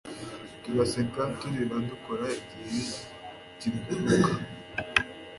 turaseka, turarira, dukora igihe kiguruka